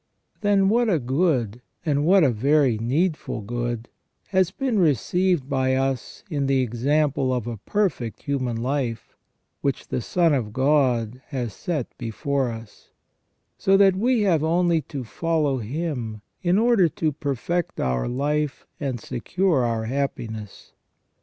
Then what a good, and what a very needful good, has been received by us in the example of a perfect human life, which the Son of God has set before us; so that we have only to follow Him in order to perfect our life and secure our happiness.